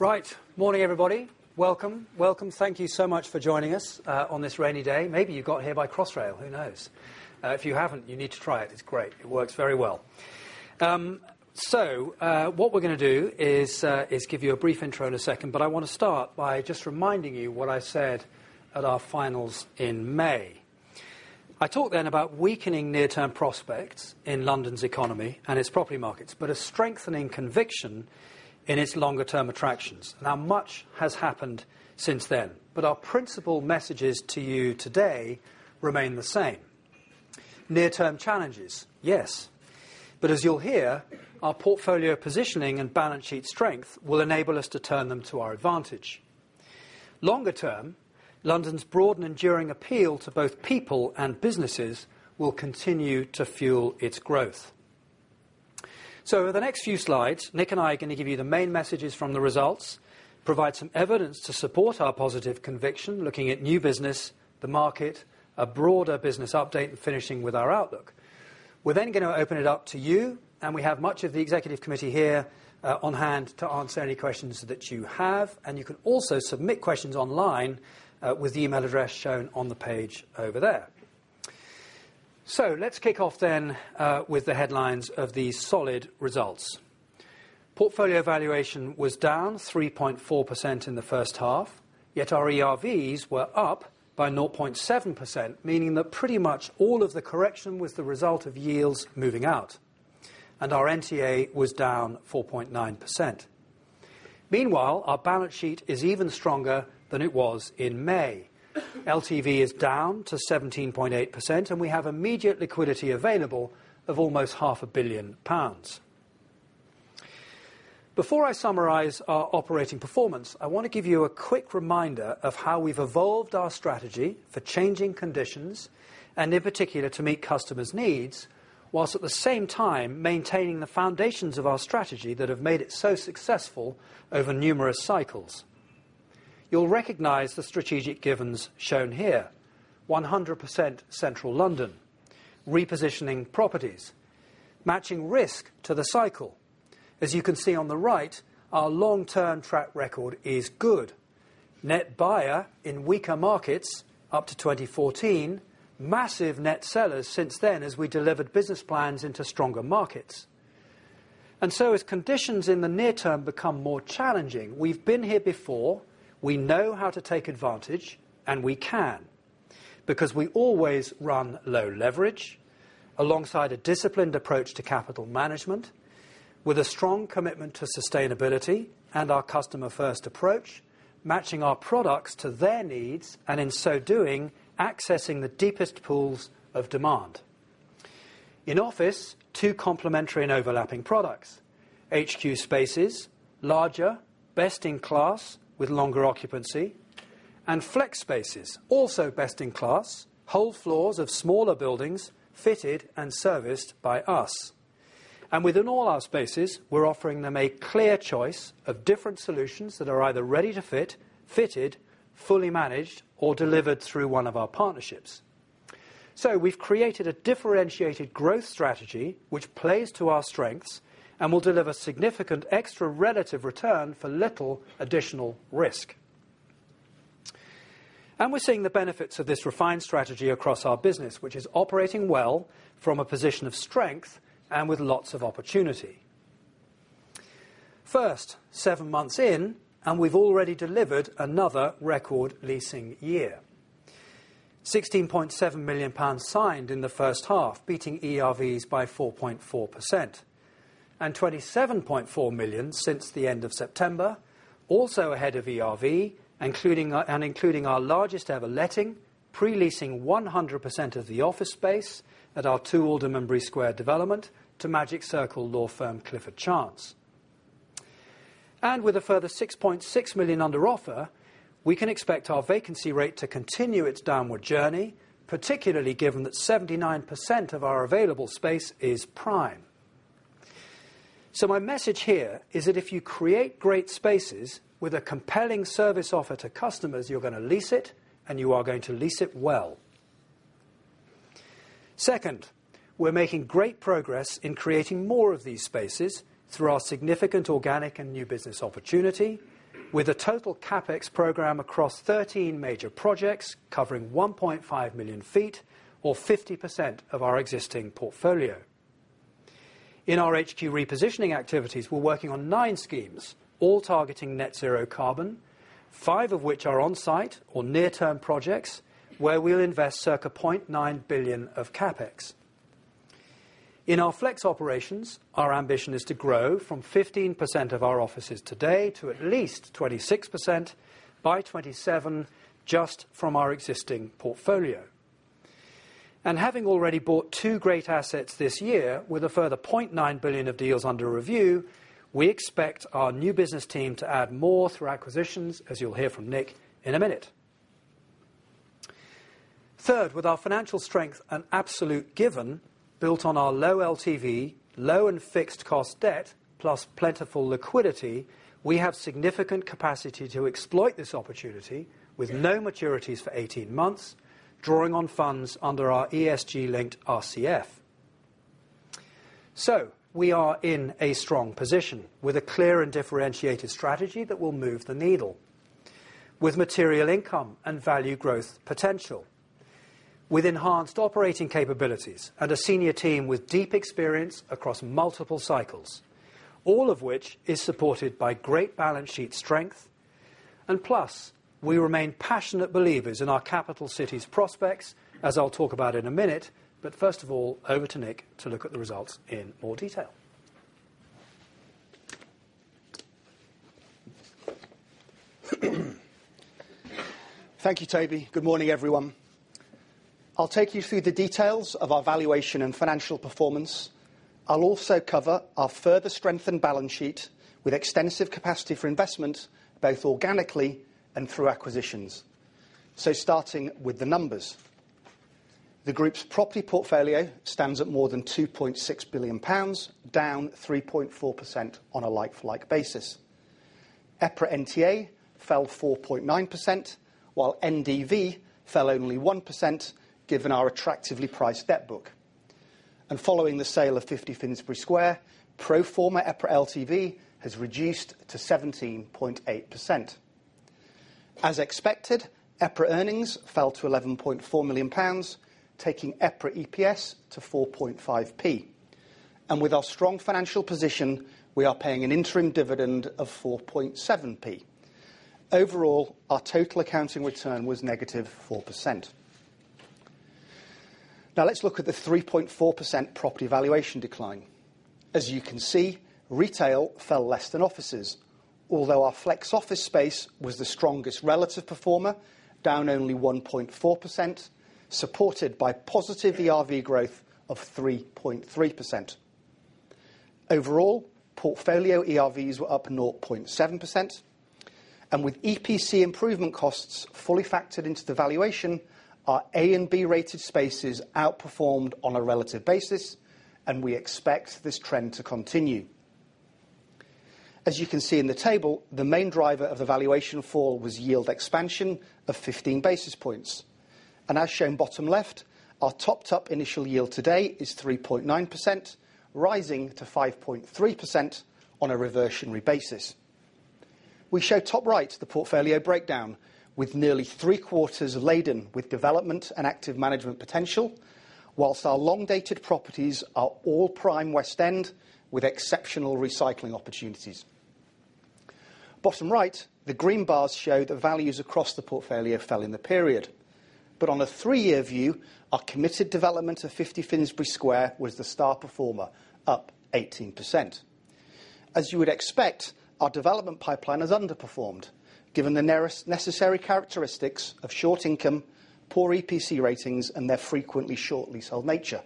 Right. Morning, everybody. Welcome, welcome. Thank you so much for joining us on this rainy day. Maybe you got here by Crossrail, who knows? If you haven't, you need to try it. It's great. It works very well. What we're gonna do is give you a brief intro in a second, but I wanna start by just reminding you what I said at our finals in May. I talked then about weakening near-term prospects in London's economy and its property markets, but a strengthening conviction in its longer term attractions. Now, much has happened since then, but our principal messages to you today remain the same. Near-term challenges, yes, but as you'll hear, our portfolio positioning and balance sheet strength will enable us to turn them to our advantage. Longer term, London's broad and enduring appeal to both people and businesses will continue to fuel its growth. Over the next few slides, Nick and I are gonna give you the main messages from the results, provide some evidence to support our positive conviction, looking at new business, the market, a broader business update, and finishing with our outlook. We're then gonna open it up to you, and we have much of the Executive Committee here on-hand to answer any questions that you have. You can also submit questions online with the email address shown on the page over there. Let's kick off then with the headlines of these solid results. Portfolio valuation was down 3.4% in the first half, yet our ERVs were up by 0.7%, meaning that pretty much all of the correction was the result of yields moving out. Our NTA was down 4.9%. Meanwhile, our balance sheet is even stronger than it was in May. LTV is down to 17.8%, and we have immediate liquidity available of almost 500 million pounds. Before I summarize our operating performance, I wanna give you a quick reminder of how we've evolved our strategy for changing conditions, and in particular, to meet customers' needs, whilst at the same time, maintaining the foundations of our strategy that have made it so successful over numerous cycles. You'll recognize the strategic givens shown here. 100% Central London, repositioning properties, matching risk to the cycle. As you can see on the right, our long-term track record is good. Net buyer in weaker markets up to 2014, massive net sellers since then as we delivered business plans into stronger markets. As conditions in the near-term become more challenging, we've been here before, we know how to take advantage, and we can, because we always run low leverage alongside a disciplined approach to capital management with a strong commitment to sustainability and our customer-first approach, matching our products to their needs, and in so doing, accessing the deepest pools of demand. In office, two complementary and overlapping products, HQ spaces, larger, best in class with longer occupancy, and Flex spaces, also best in class, whole floors of smaller buildings fitted and serviced by us. Within all our spaces, we're offering them a clear choice of different solutions that are either Ready to Fit, Fitted, Fully Managed, or delivered through one of our partnerships. We've created a differentiated growth strategy which plays to our strengths and will deliver significant extra relative return for little additional risk. We're seeing the benefits of this refined strategy across our business, which is operating well from a position of strength and with lots of opportunity. First, seven months in, and we've already delivered another record leasing year. 16.7 million pounds signed in the first half, beating ERVs by 4.4%. 27.4 million since the end of September, also ahead of ERV, including our largest ever letting, pre-leasing 100% of the office space at our 2 Aldermanbury Square development to Magic Circle law firm Clifford Chance. With a further 6.6 million under offer, we can expect our vacancy rate to continue its downward journey, particularly given that 79% of our available space is prime. My message here is that if you create great spaces with a compelling service offer to customers, you're gonna lease it, and you are going to lease it well. Second, we're making great progress in creating more of these spaces through our significant organic and new business opportunity with a total CapEx program across 13 major projects covering 1.5 million ft or 50% of our existing portfolio. In our HQ repositioning activities, we're working on nine schemes, all targeting net zero carbon, five of which are on-site or near-term projects where we'll invest circa 0.9 billion of CapEx. In our Flex operations, our ambition is to grow from 15% of our offices today to at least 26% by 2027 just from our existing portfolio. Having already bought two great assets this year with a further 0.9 billion of deals under review, we expect our new business team to add more through acquisitions, as you'll hear from Nick in a minute. Third, with our financial strength and absolute given built on our low LTV, low and fixed cost debt, plus plentiful liquidity, we have significant capacity to exploit this opportunity with no maturities for 18 months, drawing on funds under our ESG-linked RCF. We are in a strong position with a clear and differentiated strategy that will move the needle. With material income and value growth potential. With enhanced operating capabilities and a senior team with deep experience across multiple cycles. All of which is supported by great balance sheet strength. Plus, we remain passionate believers in our capital city's prospects, as I'll talk about in a minute. First of all, over to Nick to look at the results in more detail. Thank you, Toby. Good morning, everyone. I'll take you through the details of our valuation and financial performance. I'll also cover our further strengthened balance sheet with extensive capacity for investment, both organically and through acquisitions. Starting with the numbers. The group's property portfolio stands at more than 2.6 billion pounds, down 3.4% on a like-for-like basis. EPRA NTA fell 4.9%, while NDV fell only 1%, given our attractively priced debt book. Following the sale of 50 Finsbury Square, pro forma EPRA LTV has reduced to 17.8%. As expected, EPRA earnings fell to GBP 11.4 million, taking EPRA EPS to 0.045. With our strong financial position, we are paying an interim dividend of 0.047. Overall, our total accounting return was -4%. Now let's look at the 3.4% property valuation decline. As you can see, retail fell less than offices, although our Flex office space was the strongest relative performer, down only 1.4%, supported by positive ERV growth of 3.3%. Overall, portfolio ERVs were up 0.7%. With EPC improvement costs fully factored into the valuation, our A and B-rated spaces outperformed on a relative basis, and we expect this trend to continue. As you can see in the table, the main driver of the valuation fall was yield expansion of 15 basis points. As shown bottom left, our topped up initial yield today is 3.9%, rising to 5.3% on a reversionary basis. We show top right the portfolio breakdown with nearly three-quarters laden with development and active management potential, whilst our long-dated properties are all prime West End with exceptional recycling opportunities. Bottom right, the green bars show the values across the portfolio fell in the period. On a three-year view, our committed development of 50 Finsbury Square was the star performer, up 18%. As you would expect, our development pipeline has underperformed, given the necessary characteristics of short income, poor EPC ratings, and their frequently short leasehold nature.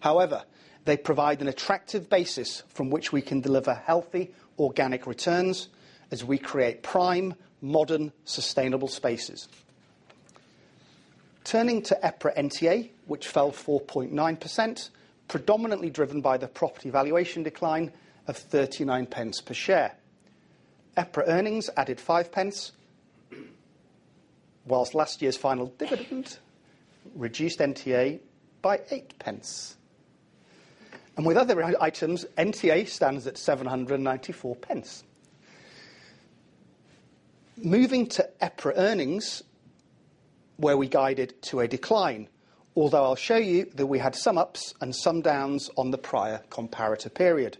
However, they provide an attractive basis from which we can deliver healthy organic returns as we create prime, modern, sustainable spaces. Turning to EPRA NTA, which fell 4.9%, predominantly driven by the property valuation decline of 0.39 per share. EPRA earnings added 0.05, whilst last year's final dividend reduced NTA by 0.08. With other items, NTA stands at 7.94. Moving to EPRA earnings, where we guided to a decline, although I'll show you that we had some ups and some downs on the prior comparator period.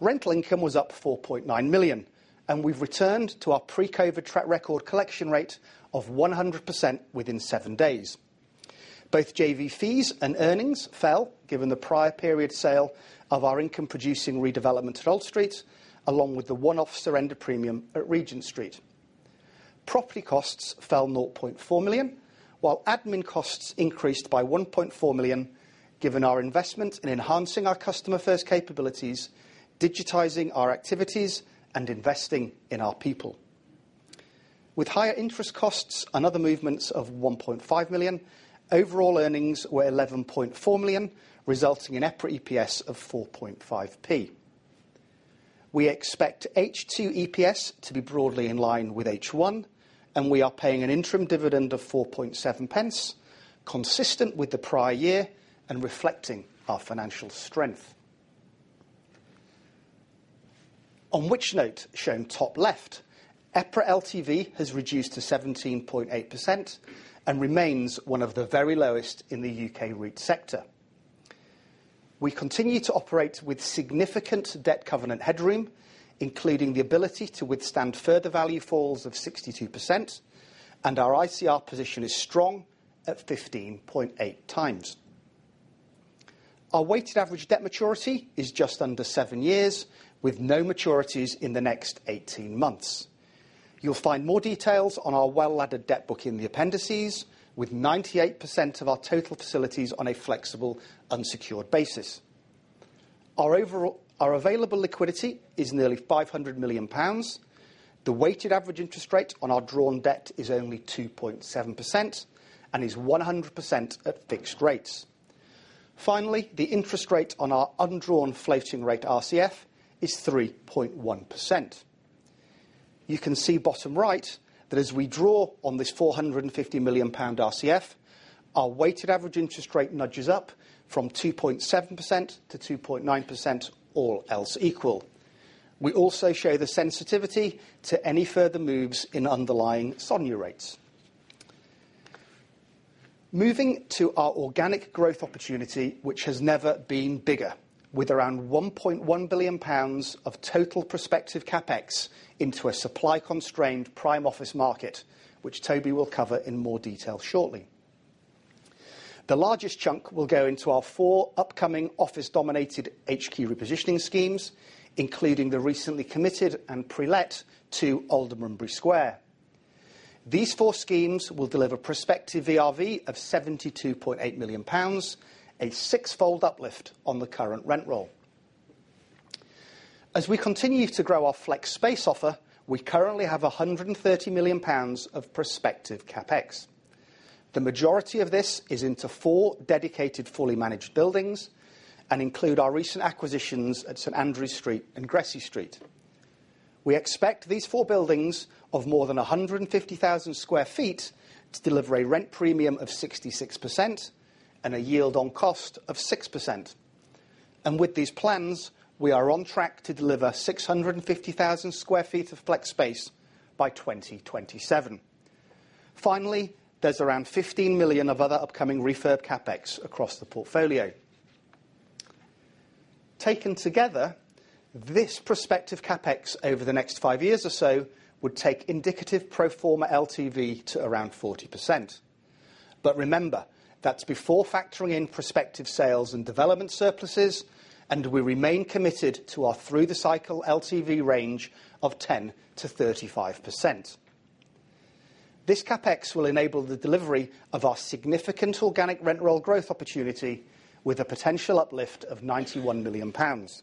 Rental income was up 4.9 million, and we've returned to our pre-COVID track record collection rate of 100% within seven days. Both JV fees and earnings fell, given the prior period sale of our income-producing redevelopment at Old Street, along with the one-off surrender premium at Regent Street. Property costs fell 0.4 million, while admin costs increased by 1.4 million, given our investment in enhancing our customer-first capabilities, digitizing our activities, and investing in our people. With higher interest costs and other movements of 1.5 million, overall earnings were 11.4 million, resulting in EPRA EPS of 4.5. We expect H2 EPS to be broadly in line with H1, and we are paying an interim dividend of 4.7, consistent with the prior year and reflecting our financial strength. On which note, shown top left, EPRA LTV has reduced to 17.8% and remains one of the very lowest in the U.K. REIT sector. We continue to operate with significant debt covenant headroom, including the ability to withstand further value falls of 62%, and our ICR position is strong at 15.8x. Our weighted average debt maturity is just under seven years, with no maturities in the next 18 months. You'll find more details on our well-laddered debt book in the appendices, with 98% of our total facilities on a flexible, unsecured basis. Our available liquidity is nearly 500 million pounds. The weighted average interest rate on our drawn debt is only 2.7% and is 100% at fixed rates. Finally, the interest rate on our undrawn floating rate RCF is 3.1%. You can see bottom right that as we draw on this 450 million pound RCF, our weighted average interest rate nudges up from 2.7%-2.9%, all else equal. We also show the sensitivity to any further moves in underlying SONIA rates. Moving to our organic growth opportunity, which has never been bigger, with around 1.1 billion pounds of total prospective CapEx into a supply-constrained prime office market, which Toby will cover in more detail shortly. The largest chunk will go into our four upcoming office-dominated HQ repositioning schemes, including the recently committed and pre-let to Aldermanbury Square. These four schemes will deliver prospective ERV of 72.8 million pounds, a six-fold uplift on the current rent roll. As we continue to grow our Flex space offer, we currently have 130 million pounds of prospective CapEx. The majority of this is into four dedicated, Fully Managed buildings and include our recent acquisitions at St. Andrew Street and Gresse Street. We expect these four buildings of more than 150,000 sq ft to deliver a rent premium of 66% and a yield on cost of 6%. With these plans, we are on track to deliver 650,000 sq ft of Flex space by 2027. Finally, there's around 15 million of other upcoming refurb CapEx across the portfolio. Taken together, this prospective CapEx over the next five years or so would take indicative pro forma LTV to around 40%. Remember, that's before factoring in prospective sales and development surpluses, and we remain committed to our through-the-cycle LTV range of 10%-35%. This CapEx will enable the delivery of our significant organic rent roll growth opportunity with a potential uplift of 91 million pounds.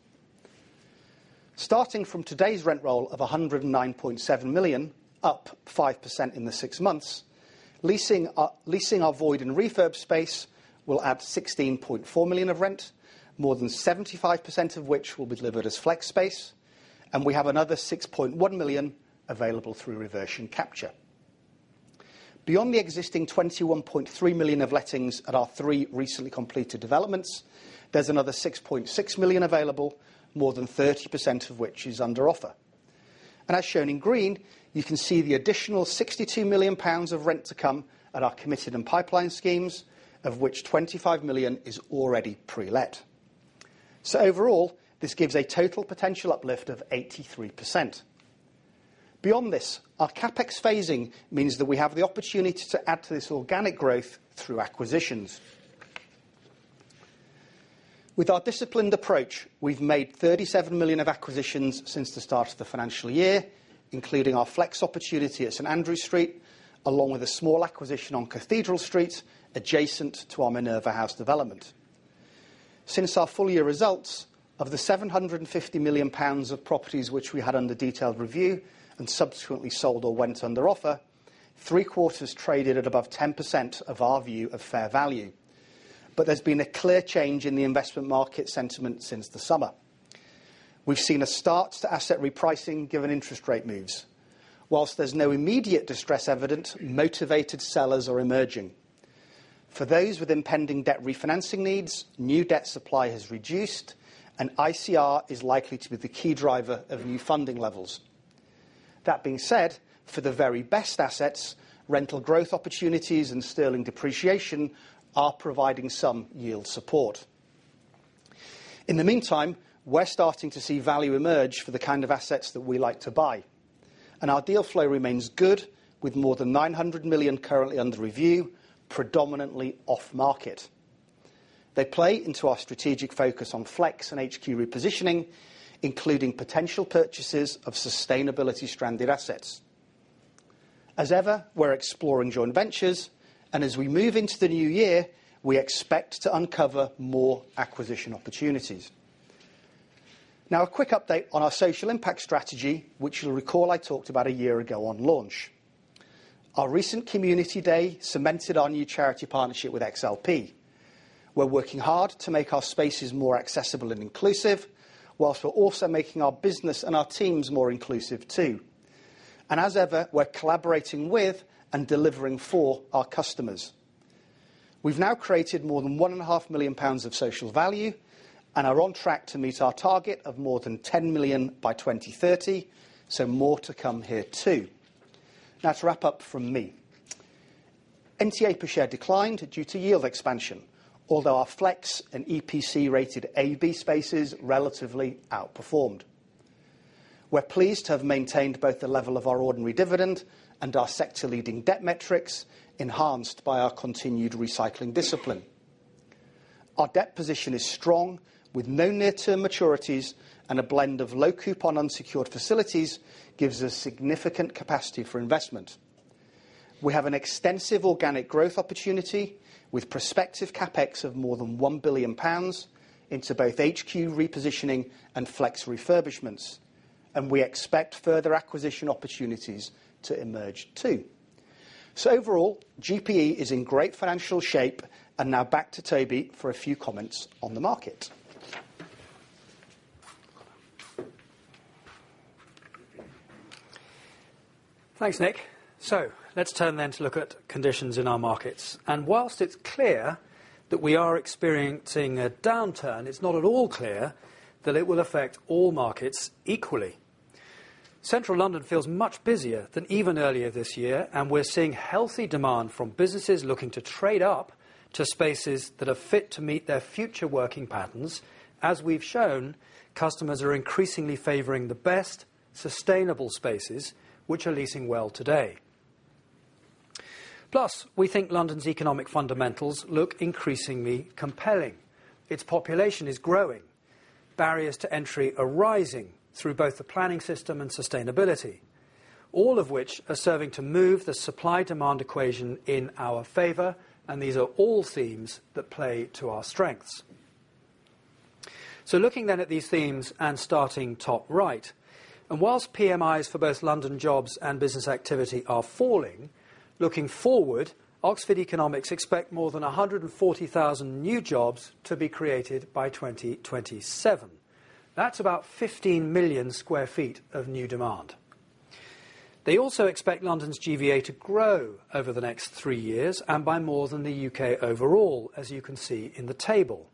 Starting from today's rent roll of 109.7 million, up 5% in the six months, leasing our void in refurb space will add 16.4 million of rent, more than 75% of which will be delivered as Flex space, and we have another 6.1 million available through reversion capture. Beyond the existing 21.3 million of lettings at our three recently completed developments, there's another 6.6 million available, more than 30% of which is under offer. As shown in green, you can see the additional 62 million pounds of rent to come at our committed and pipeline schemes, of which 25 million is already pre-let. Overall, this gives a total potential uplift of 83%. Beyond this, our CapEx phasing means that we have the opportunity to add to this organic growth through acquisitions. With our disciplined approach, we've made 37 million of acquisitions since the start of the financial year, including our Flex opportunity at St. Andrew Street, along with a small acquisition on Cathedral Street, adjacent to our Minerva House development. Since our full-year results, of the 750 million pounds of properties which we had under detailed review and subsequently sold or went under offer, 3/4 traded at above 10% of our view of fair value. There's been a clear change in the investment market sentiment since the summer. We've seen a start to asset repricing given interest rate moves. Whilst there's no immediate distress evident, motivated sellers are emerging. For those with impending debt refinancing needs, new debt supply has reduced, and ICR is likely to be the key driver of new funding levels. That being said, for the very best assets, rental growth opportunities and sterling depreciation are providing some yield support. In the meantime, we're starting to see value emerge for the kind of assets that we like to buy. Our deal flow remains good with more than 900 million currently under review, predominantly off-market. They play into our strategic focus on Flex and HQ repositioning, including potential purchases of sustainability stranded assets. As ever, we're exploring joint ventures, and as we move into the new year, we expect to uncover more acquisition opportunities. Now, a quick update on our social impact strategy, which you'll recall I talked about a year ago on launch. Our recent community day cemented our new charity partnership with XLP. We're working hard to make our spaces more accessible and inclusive, whilst we're also making our business and our teams more inclusive, too. As ever, we're collaborating with and delivering for our customers. We've now created more than 1.5 million pounds of social value and are on track to meet our target of more than 10 million by 2030, so more to come here, too. Now to wrap up from me. NTA per share declined due to yield expansion, although our Flex and EPC-rated A/B space is relatively outperformed. We're pleased to have maintained both the level of our ordinary dividend and our sector-leading debt metrics, enhanced by our continued recycling discipline. Our debt position is strong with no near-term maturities, and a blend of low-coupon unsecured facilities gives us significant capacity for investment. We have an extensive organic growth opportunity with prospective CapEx of more than 1 billion pounds into both HQ repositioning and Flex refurbishments, and we expect further acquisition opportunities to emerge, too. Overall, GPE is in great financial shape, and now back to Toby for a few comments on the market. Thanks, Nick. Let's turn then to look at conditions in our markets. Whilst it's clear that we are experiencing a downturn, it's not at all clear that it will affect all markets equally. Central London feels much busier than even earlier this year, and we're seeing healthy demand from businesses looking to trade up to spaces that are fit to meet their future working patterns. As we've shown, customers are increasingly favoring the best sustainable spaces which are leasing well today. Plus, we think London's economic fundamentals look increasingly compelling. Its population is growing. Barriers to entry are rising through both the planning system and sustainability, all of which are serving to move the supply-demand equation in our favor, and these are all themes that play to our strengths. Looking then at these themes and starting top right. Whilst PMIs for both London jobs and business activity are falling, looking forward, Oxford Economics expect more than 140,000 new jobs to be created by 2027. That's about 15 million sq ft of new demand. They also expect London's GVA to grow over the next three years and by more than the U.K. overall, as you can see in the table.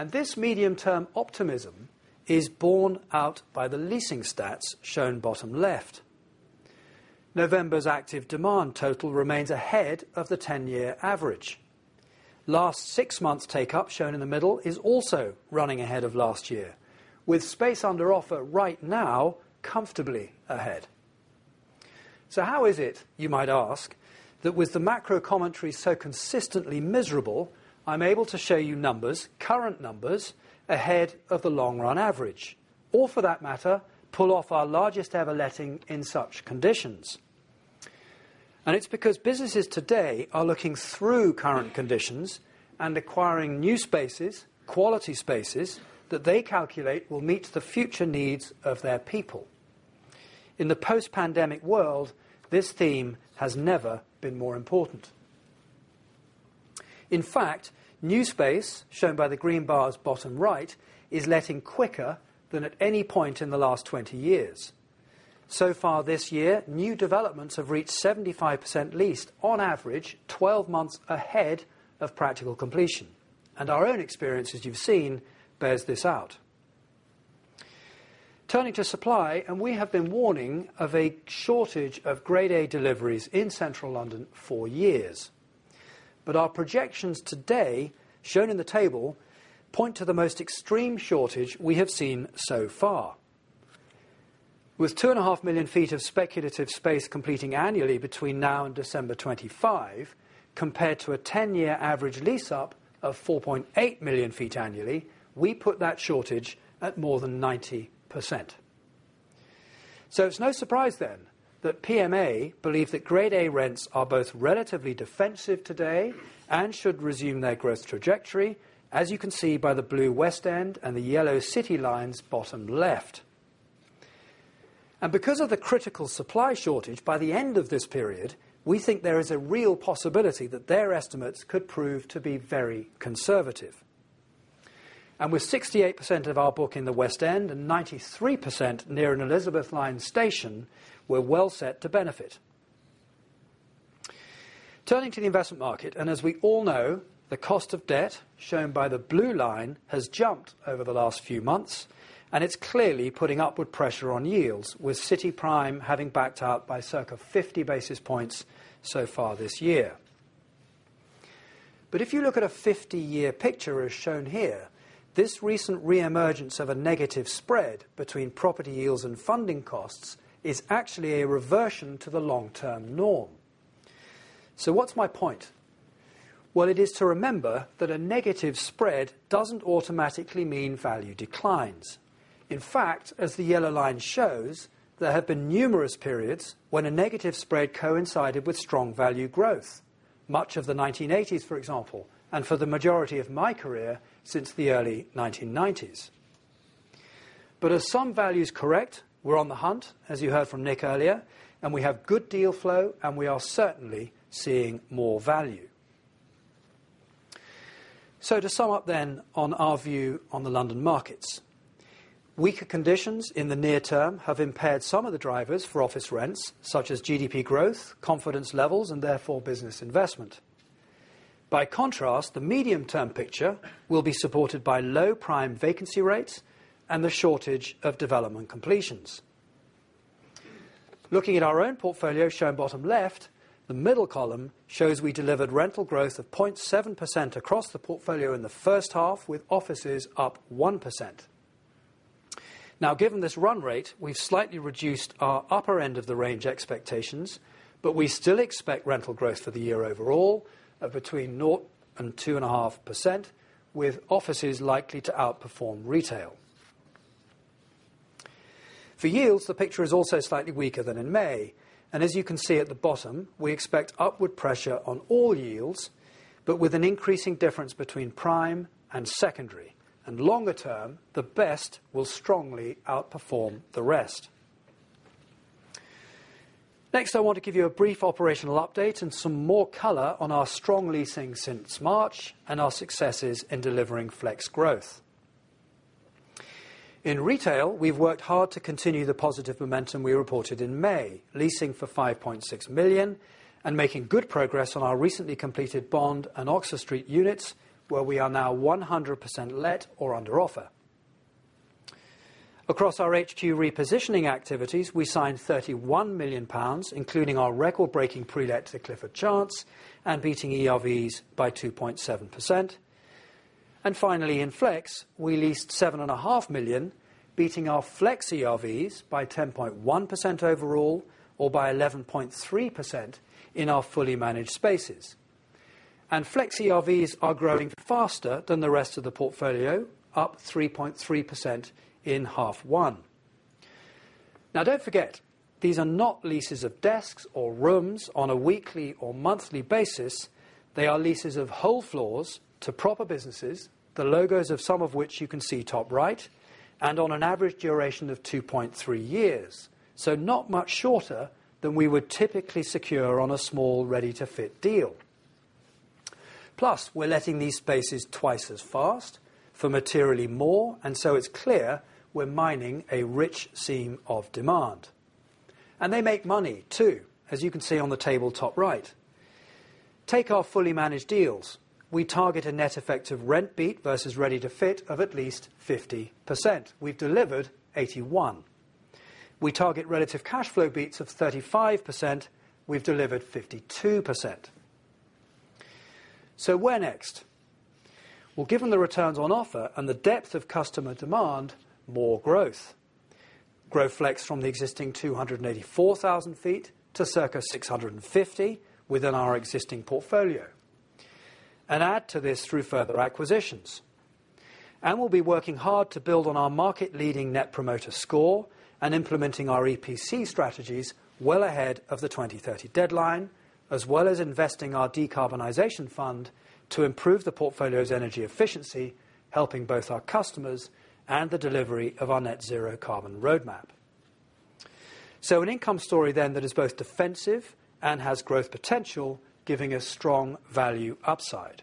This medium-term optimism is borne out by the leasing stats shown bottom left. November's active demand total remains ahead of the 10-year average. Last six months take up, shown in the middle, is also running ahead of last year, with space under offer right now comfortably ahead. How is it, you might ask, that with the macro commentary so consistently miserable, I'm able to show you numbers, current numbers, ahead of the long-run average? For that matter, pull off our largest ever letting in such conditions. It's because businesses today are looking through current conditions and acquiring new spaces, quality spaces, that they calculate will meet the future needs of their people. In the post-pandemic world, this theme has never been more important. In fact, new space, shown by the green bars bottom right, is letting quicker than at any point in the last 20 years. So far this year, new developments have reached 75% leased on average 12 months ahead of practical completion. Our own experience, as you've seen, bears this out. Turning to supply, and we have been warning of a shortage of Grade A deliveries in Central London for years. Our projections today, shown in the table, point to the most extreme shortage we have seen so far. With 2.5 million ft of speculative space completing annually between now and December 2025, compared to a 10-year average lease up of 4.8 million ft annually, we put that shortage at more than 90%. It's no surprise then that PMA believe that Grade A rents are both relatively defensive today and should resume their growth trajectory, as you can see by the blue West End and the yellow City lines bottom left. Because of the critical supply shortage, by the end of this period we think there is a real possibility that their estimates could prove to be very conservative. With 68% of our book in the West End and 93% near an Elizabeth line station, we're well set to benefit. Turning to the investment market, and as we all know, the cost of debt, shown by the blue line, has jumped over the last few months, and it's clearly putting upward pressure on yields, with City prime having backed up by circa 50 basis points so far this year. If you look at a 50-year picture as shown here, this recent reemergence of a negative spread between property yields and funding costs is actually a reversion to the long-term norm. What's my point? Well, it is to remember that a negative spread doesn't automatically mean value declines. In fact, as the yellow line shows, there have been numerous periods when a negative spread coincided with strong value growth. Much of the 1980s, for example, and for the majority of my career since the early 1990s. As some values correct, we're on the hunt, as you heard from Nick earlier, and we have good deal flow, and we are certainly seeing more value. To sum up then on our view on the London markets. Weaker conditions in the near-term have impaired some of the drivers for office rents, such as GDP growth, confidence levels, and therefore business investment. By contrast, the medium-term picture will be supported by low prime vacancy rates and the shortage of development completions. Looking at our own portfolio, shown bottom left, the middle column shows we delivered rental growth of 0.7% across the portfolio in the first half, with offices up 1%. Now, given this run rate, we've slightly reduced our upper end of the range expectations, but we still expect rental growth for the year overall of between 0% and 2.5%, with offices likely to outperform retail. For yields, the picture is also slightly weaker than in May, and as you can see at the bottom, we expect upward pressure on all yields, but with an increasing difference between prime and secondary. Longer term, the best will strongly outperform the rest. Next, I want to give you a brief operational update and some more color on our strong leasing since March and our successes in delivering Flex growth. In retail, we've worked hard to continue the positive momentum we reported in May, leasing for 5.6 million and making good progress on our recently completed Bond and Oxford Street units, where we are now 100% let or under offer. Across our HQ repositioning activities, we signed 31 million pounds, including our record-breaking pre-let to Clifford Chance and beating ERVs by 2.7%. And finally, in Flex, we leased 7.5 million, beating our Flex ERVs by 10.1% overall, or by 11.3% in our Fully Managed spaces. And Flex ERVs are growing faster than the rest of the portfolio, up 3.3% in half one. Now, don't forget, these are not leases of desks or rooms on a weekly or monthly basis. They are leases of whole floors to proper businesses, the logos of some of which you can see top right, and on an average duration of 2.3 years. Not much shorter than we would typically secure on a small ready-to-fit deal. Plus, we're letting these spaces twice as fast for materially more, and so it's clear we're mining a rich seam of demand. They make money too, as you can see on the table top right. Take our Fully Managed deals. We target a net effect of rent beat versus ready-to-fit of at least 50%. We've delivered 81%. We target relative cash flow beats of 35%. We've delivered 52%. Where next? Well, given the returns on offer and the depth of customer demand, more growth. Grow Flex from the existing 284,000 ft to circa 650 within our existing portfolio. Add to this through further acquisitions. We'll be working hard to build on our market-leading Net Promoter Score and implementing our EPC strategies well ahead of the 2030 deadline, as well as investing our decarbonization fund to improve the portfolio's energy efficiency, helping both our customers and the delivery of our net zero carbon roadmap. An income story then that is both defensive and has growth potential, giving a strong value upside.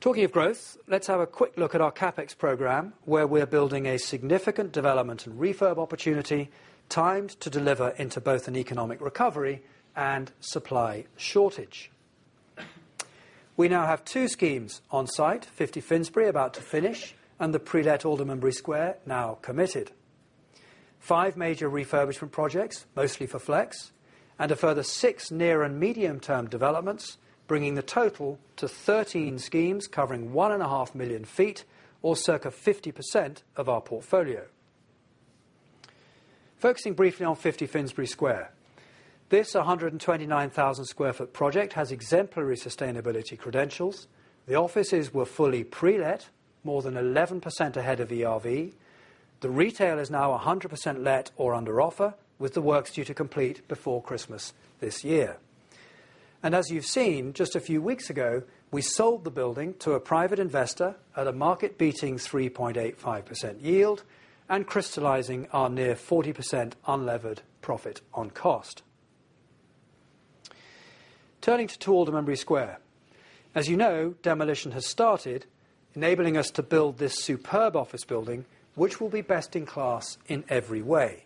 Talking of growth, let's have a quick look at our CapEx program, where we are building a significant development and refurb opportunity timed to deliver into both an economic recovery and supply shortage. We now have two schemes on site, 50 Finsbury about to finish and the pre-let Aldermanbury Square now committed. Five major refurbishment projects, mostly for Flex, and a further six near and medium-term developments, bringing the total to 13 schemes covering 1.5 million ft or circa 50% of our portfolio. Focusing briefly on 50 Finsbury Square. This 129,000 sq ft project has exemplary sustainability credentials. The offices were fully pre-let, more than 11% ahead of the ERV. The retail is now 100% let or under offer, with the works due to complete before Christmas this year. As you've seen, just a few weeks ago, we sold the building to a private investor at a market-beating 3.85% yield and crystallizing our near 40% unlevered profit on cost. Turning to 2 Aldermanbury Square. As you know, demolition has started enabling us to build this superb office building, which will be best-in-class in every way.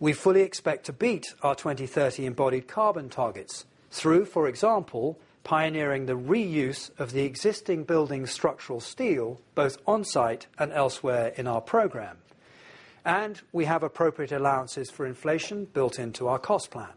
We fully expect to beat our 2030 embodied carbon targets through, for example, pioneering the reuse of the existing building structural steel, both on-site and elsewhere in our program. We have appropriate allowances for inflation built into our cost plan.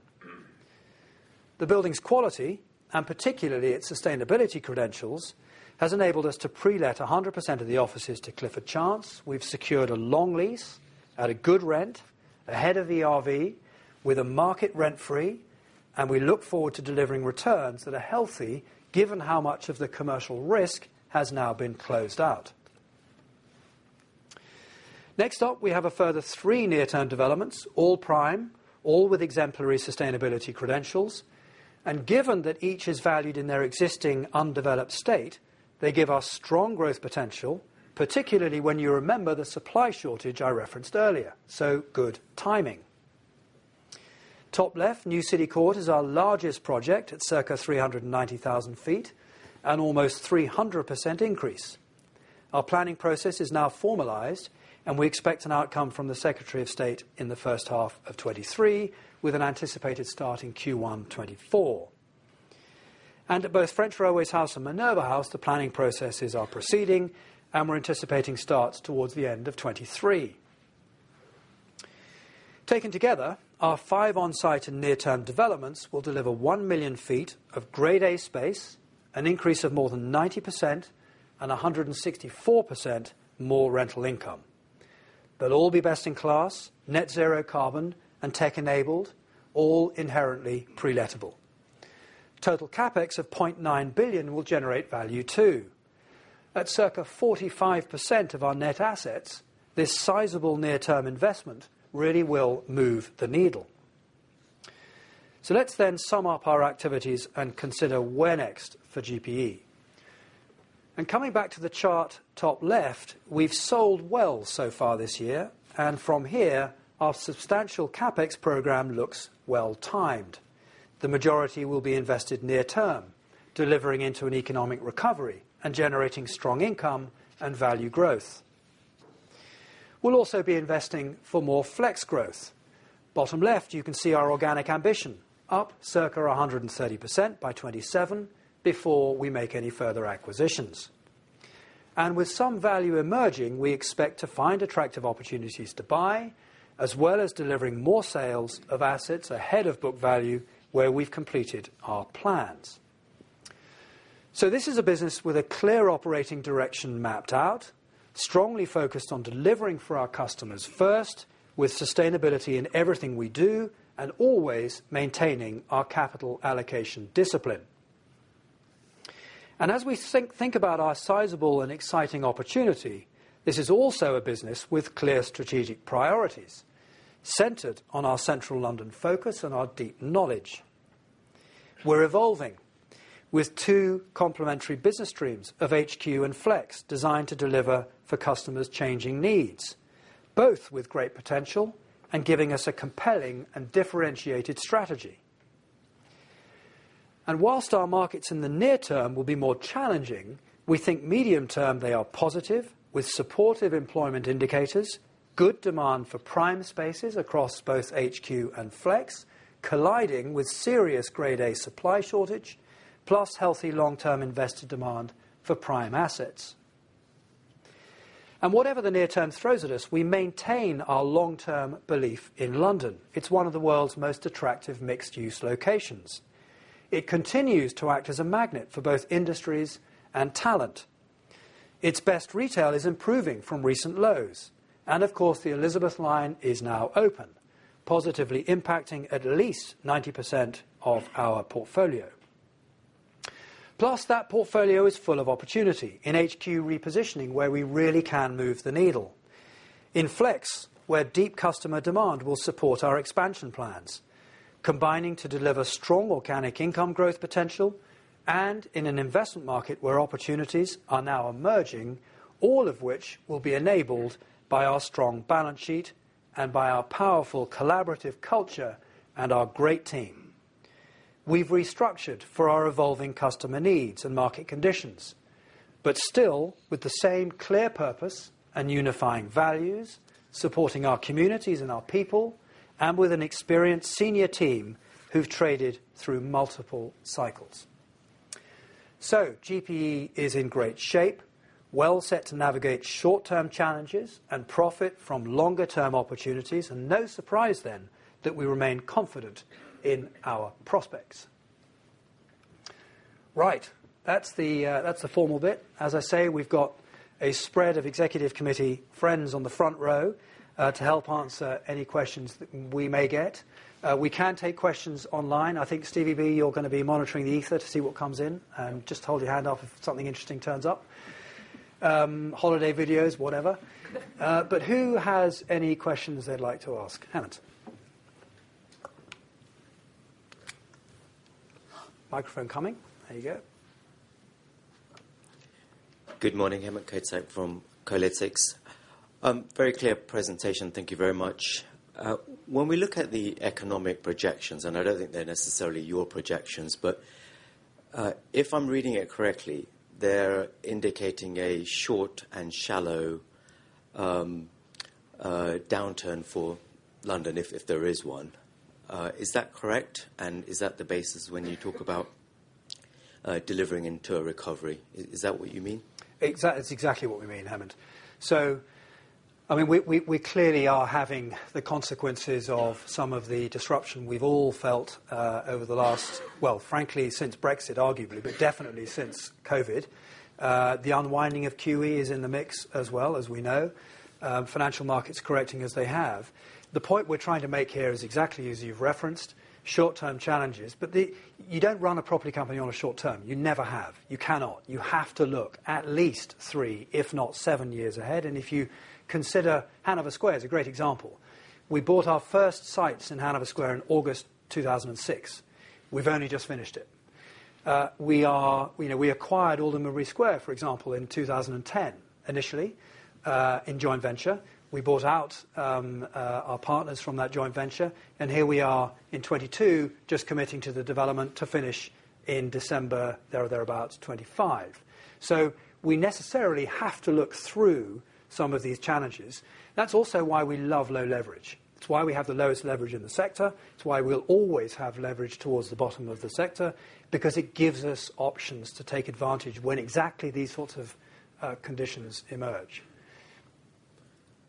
The building's quality, and particularly its sustainability credentials, has enabled us to pre-let 100% of the offices to Clifford Chance. We've secured a long lease at a good rent ahead of the ERV with a market rent-free, and we look forward to delivering returns that are healthy given how much of the commercial risk has now been closed out. Next up, we have a further three near-term developments, all prime, all with exemplary sustainability credentials. Given that each is valued in their existing undeveloped state, they give us strong growth potential, particularly when you remember the supply shortage I referenced earlier. Good timing. Top left, New City Court is our largest project at circa 390,000 ft and almost 300% increase. Our planning process is now formalized, and we expect an outcome from the Secretary of State in the first half of 2023 with an anticipated start Q1 2024. At both French Railways House and Minerva House, the planning processes are proceeding, and we're anticipating starts towards the end of 2023. Taken together, our five on-site and near-term developments will deliver 1 million ft of Grade A space, an increase of more than 90% and 164% more rental income. They'll all be best-in-class, net zero carbon and tech-enabled, all inherently pre-lettable. Total CapEx of 0.9 billion will generate value too. At circa 45% of our net assets, this sizable near-term investment really will move the needle. Let's then sum up our activities and consider where next for GPE. Coming back to the chart, top left, we've sold well so far this year, and from here, our substantial CapEx program looks well-timed. The majority will be invested near-term, delivering into an economic recovery and generating strong income and value growth. We'll also be investing for more Flex growth. Bottom left, you can see our organic ambition, up circa 130% by 2027 before we make any further acquisitions. With some value emerging, we expect to find attractive opportunities to buy, as well as delivering more sales of assets ahead of book value where we've completed our plans. This is a business with a clear operating direction mapped out, strongly focused on delivering for our customers first, with sustainability in everything we do, and always maintaining our capital allocation discipline. As we think about our sizable and exciting opportunity, this is also a business with clear strategic priorities centered on our Central London focus and our deep knowledge. We're evolving with two complementary business streams of HQ and Flex designed to deliver for customers' changing needs, both with great potential and giving us a compelling and differentiated strategy. Whilst our markets in the near-term will be more challenging, we think medium-term, they are positive, with supportive employment indicators, good demand for prime spaces across both HQ and Flex, colliding with serious Grade A supply shortage, plus healthy long-term investor demand for prime assets. Whatever the near-term throws at us, we maintain our long-term belief in London. It's one of the world's most attractive mixed-use locations. It continues to act as a magnet for both industries and talent. Its best retail is improving from recent lows. Of course, the Elizabeth line is now open, positively impacting at least 90% of our portfolio. Plus, that portfolio is full of opportunity in HQ repositioning, where we really can move the needle. In Flex, where deep customer demand will support our expansion plans, combining to deliver strong organic income growth potential, and in an investment market where opportunities are now emerging, all of which will be enabled by our strong balance sheet and by our powerful collaborative culture and our great team. We've restructured for our evolving customer needs and market conditions, but still with the same clear purpose and unifying values, supporting our communities and our people, and with an experienced senior team who've traded through multiple cycles. GPE is in great shape, well set to navigate short-term challenges and profit from longer-term opportunities, and no surprise then that we remain confident in our prospects. Right. That's the formal bit. As I say, we've got a spread of Executive Committee friends on the front row to help answer any questions that we may get. We can take questions online. I think, Steven Mew, you're gonna be monitoring the ether to see what comes in and just hold your hand up if something interesting turns up. Holiday videos, whatever. Who has any questions they'd like to ask? Hemant. Microphone coming. There you go. Good morning. Hemant Kotak from Kolytics. Very clear presentation. Thank you very much. When we look at the economic projections, and I don't think they're necessarily your projections, but if I'm reading it correctly, they're indicating a short and shallow downturn for London if there is one. Is that correct? Is that the basis when you talk about delivering into a recovery? Is that what you mean? It's exactly what we mean, Hemant. I mean, we clearly are having the consequences of some of the disruption we've all felt over the last, well, frankly, since Brexit, arguably, but definitely since COVID. The unwinding of QE is in the mix as well, as we know. Financial markets correcting as they have. The point we're trying to make here is exactly as you've referenced, short-term challenges. You don't run a property company on a short-term. You never have. You cannot. You have to look at least three, if not seven years ahead. If you consider Hanover Square is a great example. We bought our first sites in Hanover Square in August 2006. We've only just finished it. You know, we acquired Aldermanbury Square, for example, in 2010, initially in joint venture. We bought out our partners from that joint venture, and here we are in 2022, just committing to the development to finish in December, there or thereabouts, 2025. We necessarily have to look through some of these challenges. That's also why we love low leverage. It's why we have the lowest leverage in the sector. It's why we'll always have leverage towards the bottom of the sector because it gives us options to take advantage when exactly these sorts of conditions emerge.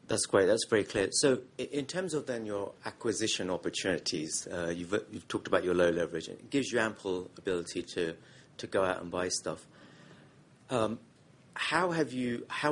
That's great. That's very clear. In terms of then your acquisition opportunities, you've talked about your low leverage, and it gives you ample ability to go out and buy stuff. How are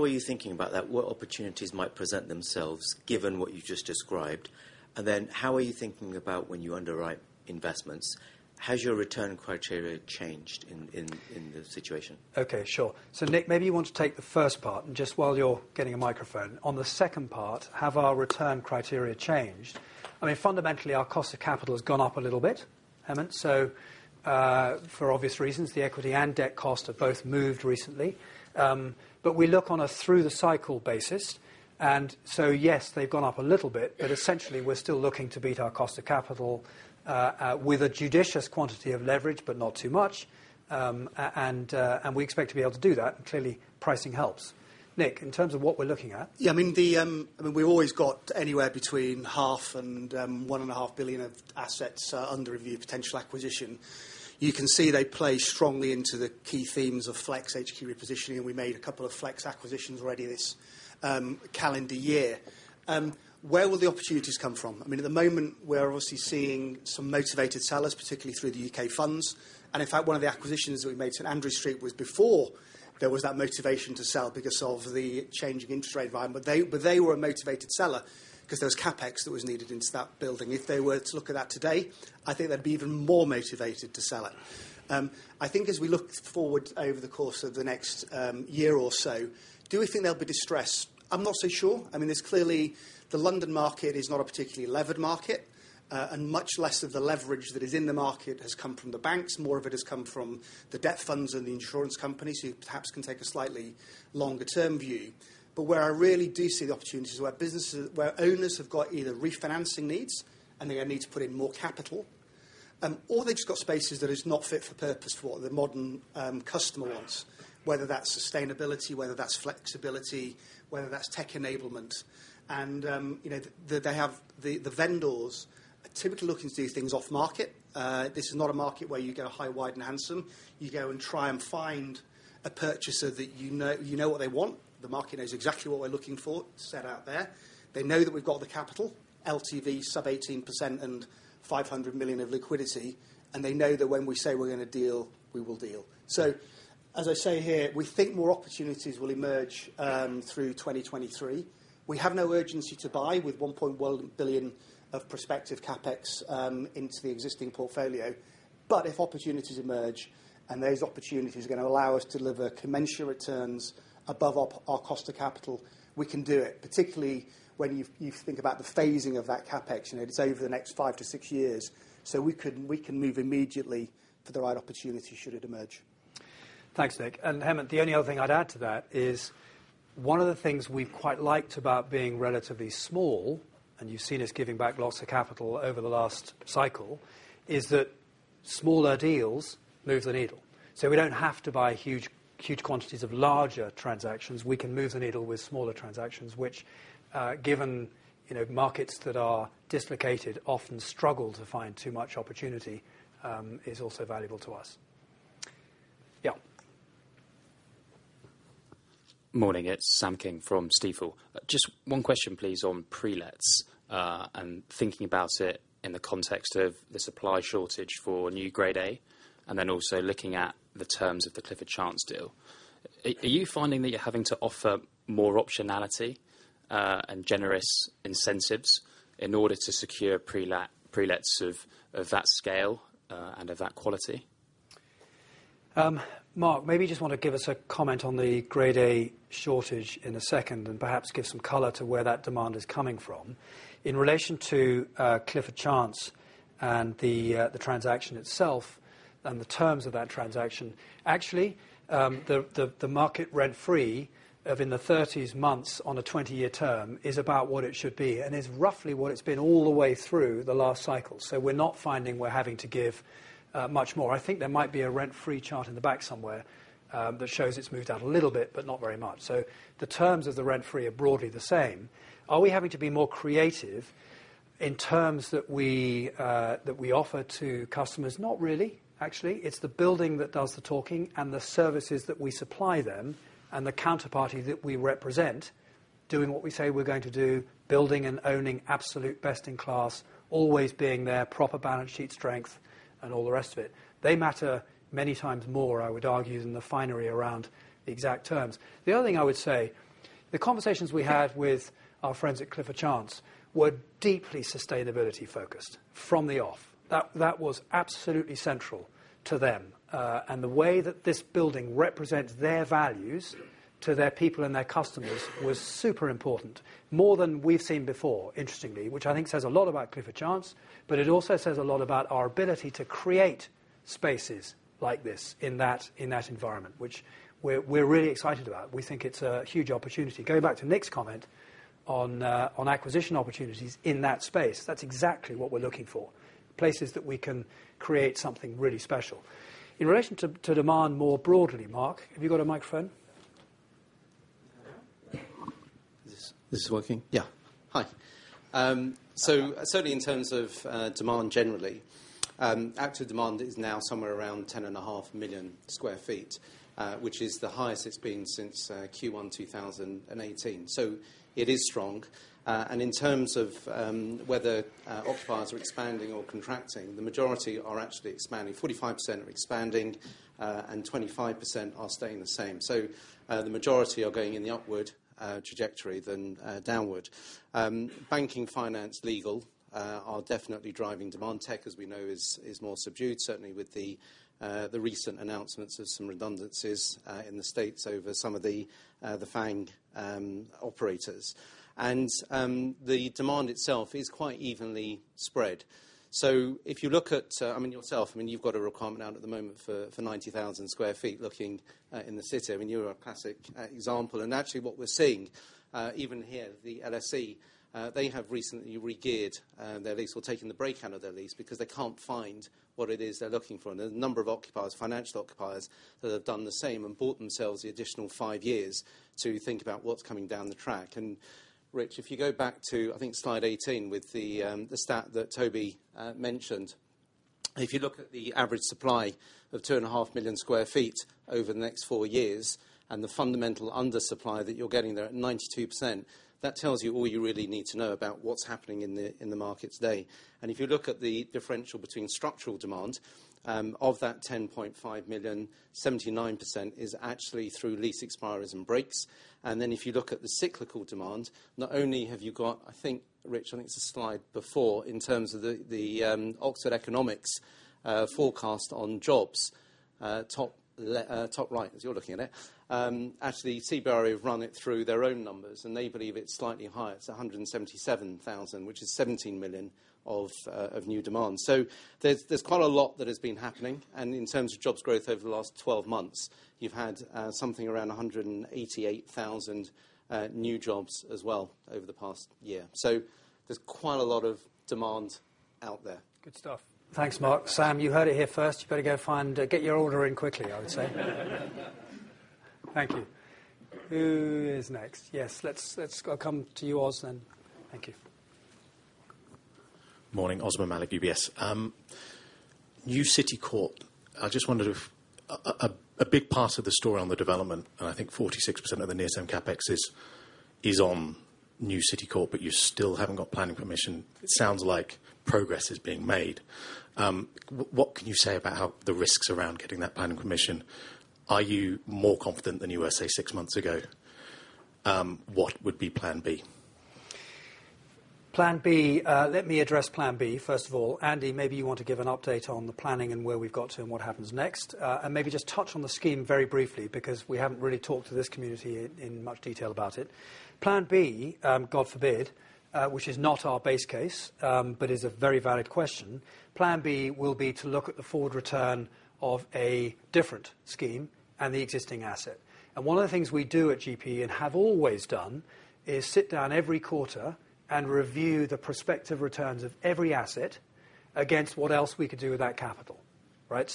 you thinking about that? What opportunities might present themselves given what you just described? How are you thinking about when you underwrite investments? Has your return criteria changed in the situation? Okay. Sure. Nick, maybe you want to take the first part. Just while you're getting a microphone, on the second part, have our return criteria changed? I mean, fundamentally, our cost of capital has gone up a little bit, Hemant. For obvious reasons, the equity and debt cost have both moved recently. We look on a through the cycle basis, and so yes, they've gone up a little bit. Essentially, we're still looking to beat our cost of capital with a judicious quantity of leverage, but not too much. We expect to be able to do that, and clearly pricing helps. Nick, in terms of what we're looking at. Yeah, I mean, we've always got anywhere between GBP 0.5 billion and 1.5 billion of assets under review, potential acquisition. You can see they play strongly into the key themes of Flex, HQ repositioning, and we made a couple of Flex acquisitions already this calendar year. Where will the opportunities come from? I mean, at the moment, we're obviously seeing some motivated sellers, particularly through the U.K. funds. In fact, one of the acquisitions that we made, St. Andrew Street, was before there was that motivation to sell because of the changing interest rate environment. They were a motivated seller 'cause there was CapEx that was needed into that building. If they were to look at that today, I think they'd be even more motivated to sell it. I think as we look forward over the course of the next year or so, do we think there'll be distress? I'm not so sure. I mean, there's clearly the London market is not a particularly levered market. Much less of the leverage that is in the market has come from the banks. More of it has come from the debt funds and the insurance companies who perhaps can take a slightly longer-term view. Where I really do see the opportunities where owners have got either refinancing needs, and they need to put in more capital, or they've just got spaces that is not fit for purpose for what the modern customer wants, whether that's sustainability, whether that's flexibility, whether that's tech enablement. You know, the vendors are typically looking to do things off market. This is not a market where you go high, wide, and handsome. You go and try and find a purchaser that you know what they want. The market knows exactly what we're looking for. It's set out there. They know that we've got the capital, LTV sub-18% and 500 million of liquidity, and they know that when we say we're gonna deal, we will deal. As I say here, we think more opportunities will emerge through 2023. We have no urgency to buy with 1.1 billion of prospective CapEx into the existing portfolio. If opportunities emerge, and those opportunities are gonna allow us to deliver commensurate returns above our cost of capital, we can do it. Particularly when you think about the phasing of that CapEx, and it's over the next five to six years, so we can move immediately for the right opportunity should it emerge. Thanks, Nick. Hemant, the only other thing I'd add to that is one of the things we've quite liked about being relatively small, and you've seen us giving back lots of capital over the last cycle, is that smaller deals move the needle. We don't have to buy huge quantities of larger transactions. We can move the needle with smaller transactions, which, given, you know, markets that are dislocated often struggle to find too much opportunity, is also valuable to us. Yeah. Morning, it's Sam King from Stifel. Just one question please on pre-lets and thinking about it in the context of the supply shortage for new Grade A and then also looking at the terms of the Clifford Chance deal. Are you finding that you're having to offer more optionality and generous incentives in order to secure pre-lets of that scale and of that quality? Marc, maybe you just wanna give us a comment on the Grade A shortage in a second and perhaps give some color to where that demand is coming from. In relation to Clifford Chance and the transaction itself and the terms of that transaction, actually, the market rent-free of in the 30s months on a 20-year term is about what it should be and is roughly what it's been all the way through the last cycle. We're not finding we're having to give much more. I think there might be a rent-free chart in the back somewhere that shows it's moved out a little bit, but not very much. The terms of the rent-free are broadly the same. Are we having to be more creative in terms that we offer to customers? Not really. Actually, it's the building that does the talking and the services that we supply them and the counterparty that we represent doing what we say we're going to do, building and owning absolute best-in-class, always being there, proper balance sheet strength, and all the rest of it. They matter many times more, I would argue, than the finery around the exact terms. The other thing I would say, the conversations we had with our friends at Clifford Chance were deeply sustainability-focused from the off. That was absolutely central to them. The way that this building represents their values to their people and their customers was super important, more than we've seen before, interestingly, which I think says a lot about Clifford Chance, but it also says a lot about our ability to create spaces like this in that environment, which we're really excited about. We think it's a huge opportunity. Going back to Nick's comment on acquisition opportunities in that space, that's exactly what we're looking for, places that we can create something really special. In relation to demand more broadly, Marc, have you got a microphone? Is this working? Yeah. Hi. Certainly in terms of demand generally, active demand is now somewhere around 10.5 million sq ft, which is the highest it's been since Q1 2018. It is strong. In terms of whether occupiers are expanding or contracting, the majority are actually expanding. 45% are expanding, and 25% are staying the same. The majority are going in the upward trajectory than downward. Banking, finance, legal are definitely driving demand. Tech, as we know, is more subdued, certainly with the recent announcements of some redundancies in the States over some of the FAANG operators. The demand itself is quite evenly spread. If you look at, I mean yourself, I mean, you've got a requirement out at the moment for 90,000 sq ft looking in the City. I mean, you're a classic example. Actually what we're seeing, even here, the LSE, they have recently regeared their lease or taken the break out of their lease because they can't find what it is they're looking for. There's a number of occupiers, financial occupiers that have done the same and bought themselves the additional five years to think about what's coming down the track. Rich, if you go back to, I think slide 18 with the stat that Toby mentioned, if you look at the average supply of 2.5 million sq ft over the next four years, and the fundamental undersupply that you're getting there at 92%, that tells you all you really need to know about what's happening in the market today. If you look at the differential between structural demand of that 10.5 million, 79% is actually through lease expiries and breaks. If you look at the cyclical demand, not only have you got, I think, Rich, I think it's the slide before in terms of the Oxford Economics forecast on jobs, top right as you're looking at it, actually, CBRE have run it through their own numbers, and they believe it's slightly higher. It's 177,000, which is 17 million of new demand. There's quite a lot that has been happening. In terms of jobs growth over the last 12 months, you've had something around 188,000 new jobs as well over the past year. There's quite a lot of demand out there. Good stuff. Thanks, Marc. Sam, you heard it here first. You better get your order in quickly, I would say. Thank you. Who is next? Yes. I'll come to you, Os, then. Thank you. Morning. Osmaan Malik, UBS. New City Court. I just wondered if a big part of the story on the development, and I think 46% of the near-term CapEx is on New City Court, but you still haven't got planning permission. It sounds like progress is being made. What can you say about how the risks around getting that planning permission? Are you more confident than you were, say, six months ago? What would be Plan B? Plan B. Let me address Plan B, first of all. Andy, maybe you want to give an update on the planning and where we've got to and what happens next. Maybe just touch on the scheme very briefly because we haven't really talked to this community in much detail about it. Plan B, God forbid, which is not our base case, but is a very valid question. Plan B will be to look at the forward return of a different scheme and the existing asset. One of the things we do at GPE and have always done is sit down every quarter and review the prospective returns of every asset against what else we could do with that capital, right?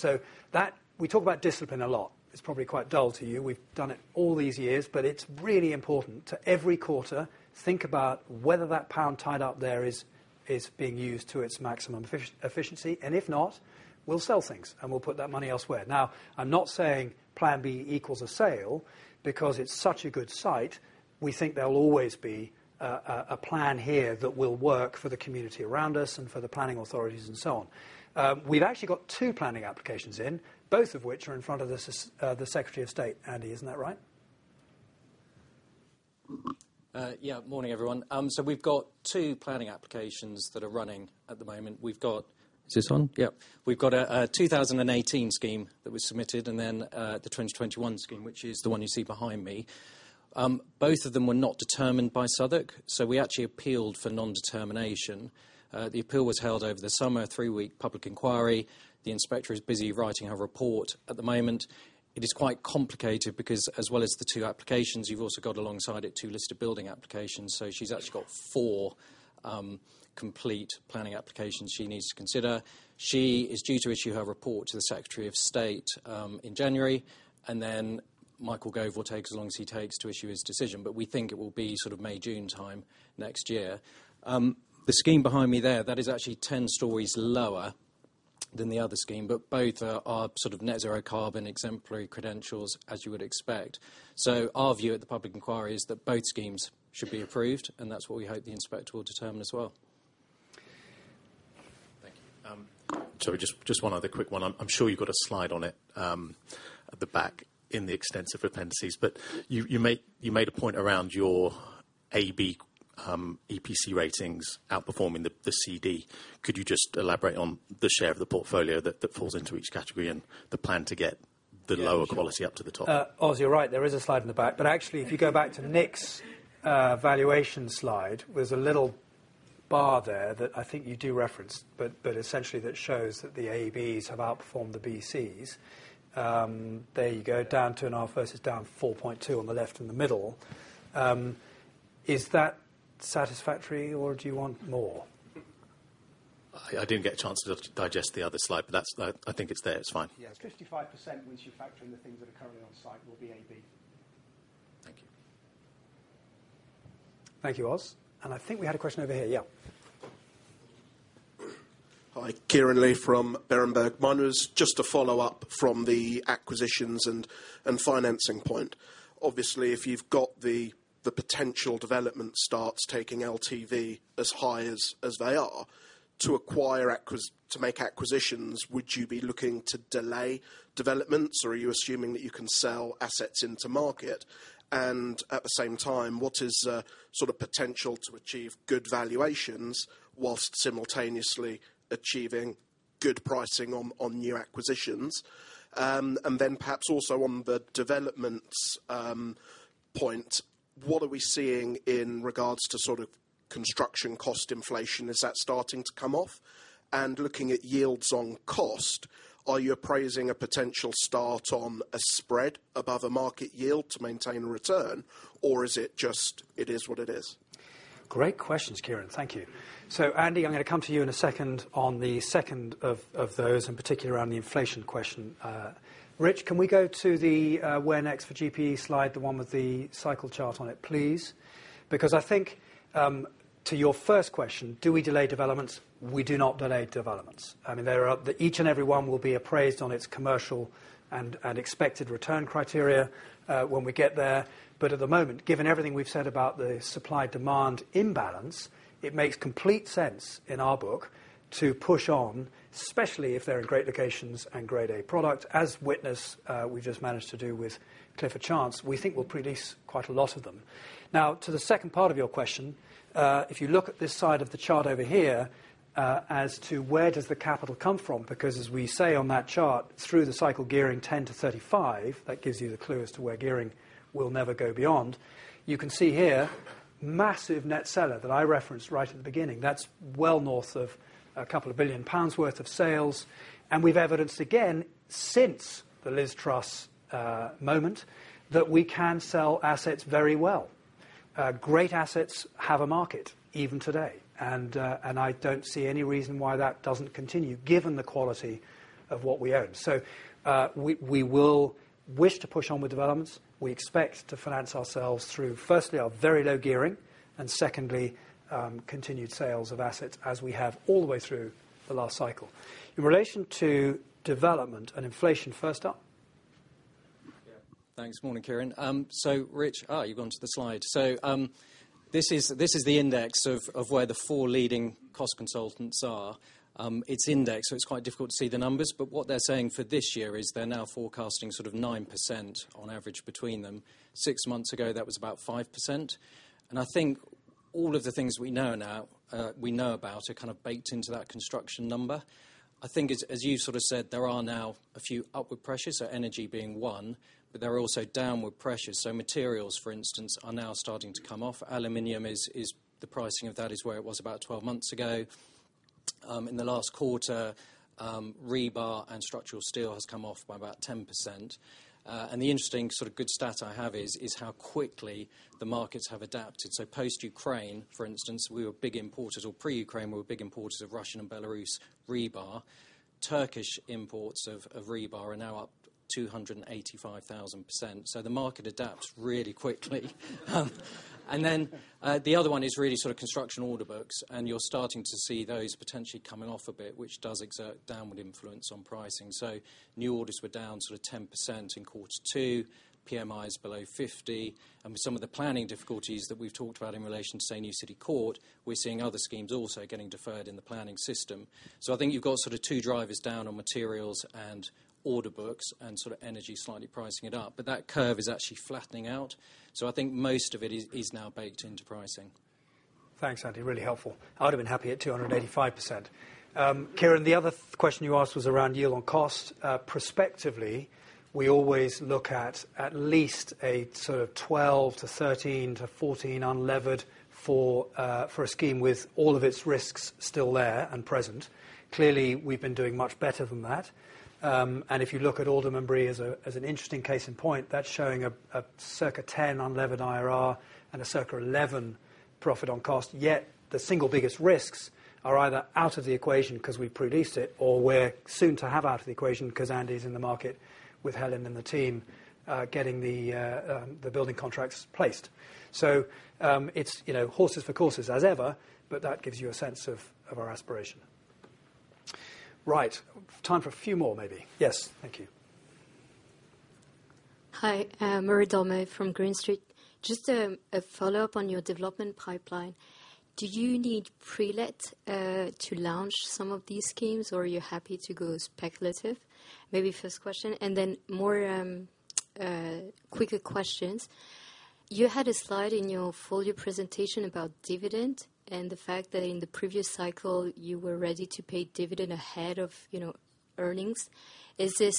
We talk about discipline a lot. It's probably quite dull to you. We've done it all these years, but it's really important to every quarter think about whether that pound tied up there is being used to its maximum efficiency. If not, we'll sell things, and we'll put that money elsewhere. Now, I'm not saying Plan B equals a sale because it's such a good site. We think there will always be a plan here that will work for the community around us and for the planning authorities and so on. We've actually got two planning applications in, both of which are in front of the Secretary of State. Andy, isn't that right? Yeah. Morning, everyone. We've got two planning applications that are running at the moment. Is this one? Yeah. We've got a 2018 scheme that was submitted and then the 2021 scheme, which is the one you see behind me. Both of them were not determined by Southwark, so we actually appealed for non-determination. The appeal was held over the summer, three-week public inquiry. The inspector is busy writing her report at the moment. It is quite complicated because as well as the two applications, you've also got alongside it two listed building applications. She's actually got four complete planning applications she needs to consider. She is due to issue her report to the Secretary of State in January, and then Michael Gove will take as long as he takes to issue his decision. We think it will be sort of May, June time next year. The scheme behind me there, that is actually 10 stories lower than the other scheme, but both are sort of net zero carbon exemplary credentials, as you would expect. Our view at the public inquiry is that both schemes should be approved, and that's what we hope the inspector will determine as well. Thank you. Sorry, just one other quick one. I'm sure you've got a slide on it at the back in the extensive appendices. You made a point around your A/B EPC ratings outperforming the C/D. Could you just elaborate on the share of the portfolio that falls into each category and the plan to get the lower quality up to the top? Yeah. Os, you're right. There is a slide in the back. But actually, if you go back to Nick's valuation slide, there's a little bar there that I think you do reference, but essentially that shows that the ABs have outperformed the BCs. There you go, down 2.5 versus down 4.2 on the left in the middle. Is that satisfactory, or do you want more? I didn't get a chance to digest the other slide. I think it's there. It's fine. Yeah. 55% once you factor in the things that are currently on site will be A/B. Thank you. Thank you, Os. I think we had a question over here. Yeah. Hi, Kieran Lee from Berenberg. Mine was just a follow-up from the acquisitions and financing point. Obviously, if you've got the potential development starts taking LTV as high as they are to make acquisitions, would you be looking to delay developments, or are you assuming that you can sell assets into market? At the same time, what is sort of potential to achieve good valuations whilst simultaneously achieving good pricing on new acquisitions? Perhaps also on the developments point, what are we seeing in regards to sort of construction cost inflation? Is that starting to come off? Looking at yields on cost, are you appraising a potential start on a spread above a market yield to maintain return, or is it just it is what it is? Great questions, Kieran. Thank you. Andy, I'm gonna come to you in a second on the second of those, in particular around the inflation question. Rich, can we go to the where next for GPE slide, the one with the cycle chart on it, please? Because I think to your first question, do we delay developments? We do not delay developments. I mean, each and every one will be appraised on its commercial and expected return criteria when we get there. At the moment, given everything we've said about the supply/demand imbalance, it makes complete sense in our book to push on, especially if they're in great locations and Grade A product, as witness we just managed to do with Clifford Chance. We think we'll pre-lease quite a lot of them. Now, to the second part of your question, if you look at this side of the chart over here, as to where does the capital come from, because as we say on that chart, through the cycle gearing 10%-35%, that gives you the clue as to where gearing will never go beyond. You can see here, massive net seller that I referenced right at the beginning. That's well north of a couple of billion pounds worth of sales, and we've evidenced again since the Liz Truss moment, that we can sell assets very well. Great assets have a market even today. I don't see any reason why that doesn't continue given the quality of what we own. We will wish to push on with developments. We expect to finance ourselves through, firstly, our very low gearing, and secondly, continued sales of assets as we have all the way through the last cycle. In relation to development and inflation, first up. Yeah. Thanks. Morning, Kieran. Rich, you've gone to the slide. This is the index of where the four leading cost consultants are. It's indexed, so it's quite difficult to see the numbers, but what they're saying for this year is they're now forecasting sort of 9% on average between them. Six months ago, that was about 5%. I think all of the things we know about are kinda baked into that construction number. I think as you sort of said, there are now a few upward pressures, so energy being one, but there are also downward pressures. Materials, for instance, are now starting to come off. Aluminum, the pricing of that is where it was about 12 months ago. In the last quarter, rebar and structural steel has come off by about 10%. The interesting sort of good stat I have is how quickly the markets have adapted. Pre-Ukraine, for instance, we were big importers of Russian and Belarus rebar. Turkish imports of rebar are now up 285,000%. The market adapts really quickly. The other one is really sort of construction order books, and you're starting to see those potentially coming off a bit, which does exert downward influence on pricing. New orders were down sort of 10% in quarter two. PMI is below 50. With some of the planning difficulties that we've talked about in relation to, say, New City Court, we're seeing other schemes also getting deferred in the planning system. I think you've got sort of two drivers down on materials and order books and sort of energy slightly pricing it up. That curve is actually flattening out. I think most of it is now baked into pricing. Thanks, Andy. Really helpful. I would've been happy at 285%. Kieran, the other question you asked was around yield on cost. Prospectively, we always look at at least a sort of 12%-13%-14% unlevered for a scheme with all of its risks still there and present. Clearly, we've been doing much better than that. If you look at Aldermanbury as an interesting case in point, that's showing a circa 10% unlevered IRR and a circa 11% profit on cost. Yet, the single biggest risks are either out of the equation because we pre-leased it, or we're soon to have out of the equation because Andy's in the market with Helen and the team getting the building contracts placed. It's, you know, horses for courses as ever, but that gives you a sense of our aspiration. Right. Time for a few more, maybe. Yes. Thank you. Hi, Marie Dormeuil from Green Street. Just a follow-up on your development pipeline. Do you need pre-let to launch some of these schemes, or are you happy to go speculative? Maybe first question. More quicker questions. You had a slide in your full-year presentation about dividend and the fact that in the previous cycle, you were ready to pay dividend ahead of, you know, earnings. Is this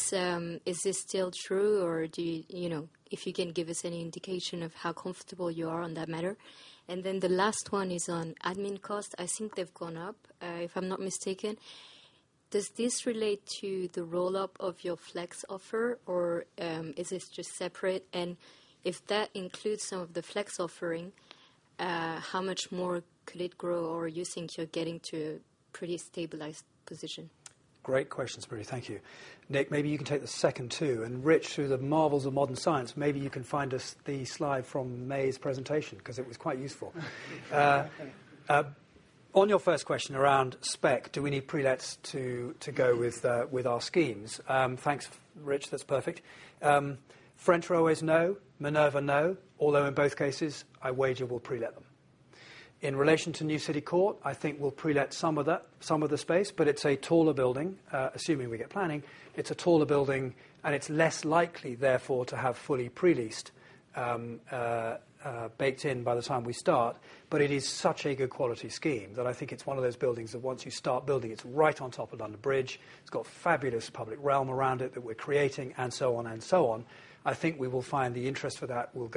still true? You know, if you can give us any indication of how comfortable you are on that matter. The last one is on admin costs. I think they've gone up if I'm not mistaken. Does this relate to the roll-up of your Flex offer or is this just separate? If that includes some of the Flex offering, how much more could it grow or you think you're getting to a pretty stabilized position? Great questions, Marie. Thank you. Nick, maybe you can take the second two. Rich, through the marvels of modern science, maybe you can find us the slide from May's presentation 'cause it was quite useful. On your first question around spec, do we need pre-lets to go with our schemes? Thanks, Rich. That's perfect. French Railways, no. Minerva, no. Although in both cases, I wager we'll pre-let them. In relation to New City Court, I think we'll pre-let some of the space, but it's a taller building, assuming we get planning. It's a taller building, and it's less likely therefore to have fully pre-leased baked in by the time we start. It is such a good quality scheme that I think it's one of those buildings that once you start building, it's right on top of London Bridge. It's got fabulous public realm around it that we're creating and so on and so on. I think we will find the interest for that will